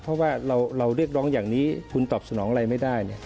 เพราะว่าเราเรียกร้องอย่างนี้คุณตอบสนองอะไรไม่ได้